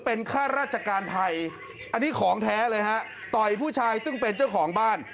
เป็นค่าราชการไทยอันนี้ของแท้เลยฮะต่อยผู้ชายซึ่งเป็นเจ้าของบ้าน